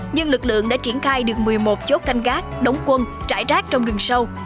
nhưng lực lượng đã triển khai được một mươi một chốt canh gác đóng quân trải rác trong rừng sâu